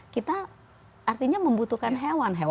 kita artinya membutuhkan hewan